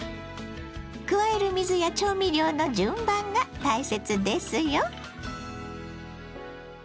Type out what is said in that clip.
加える水や調味料の順番が大切ですよ。